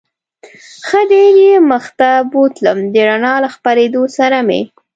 ښه ډېر یې مخ ته بوتلم، د رڼا له خپرېدو سره مې.